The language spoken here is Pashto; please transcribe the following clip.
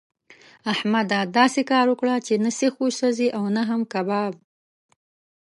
احمده! داسې کار وکړه چې نه سيخ وسوځي او نه هم کباب.